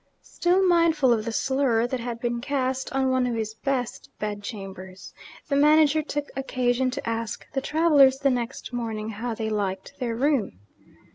Still mindful of the slur that had been cast on one of his best bedchambers, the manager took occasion to ask the travellers the next morning how they liked their room.